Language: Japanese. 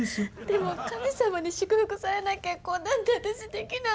でも神様に祝福されない結婚なんて私できない！